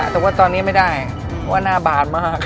แต่ว่าตอนนี้ไม่ได้เพราะว่าหน้าบาดมาก